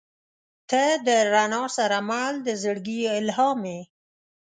• ته د رڼا سره مل د زړګي الهام یې.